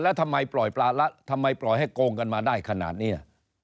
แล้วทำไมปล่อยปลาละทำไมปล่อยให้โกงกันมาได้ขนาดนี้